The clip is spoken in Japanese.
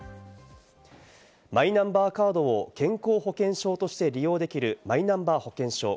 マイナンバーカードを健康保険証として利用できるマイナンバー保険証。